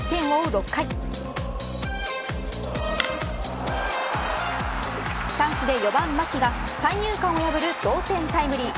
６回チャンスで４番、牧が三遊間を破る同点タイムリー。